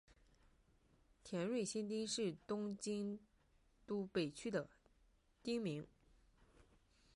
田端新町是东京都北区的町名。